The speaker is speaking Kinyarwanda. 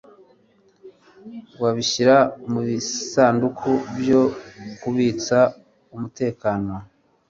wabishyira mubisanduku byo kubitsa umutekano